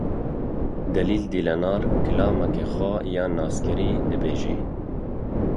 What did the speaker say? Delil Dîlanar kilameke xwe ya naskirî dibêje.